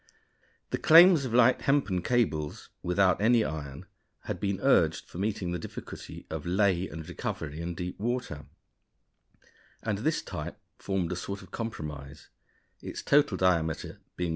The claims of light hempen cables, without any iron, had been urged for meeting the difficulty of lay and recovery in deep water; and this type formed a sort of compromise, its total diameter being 1.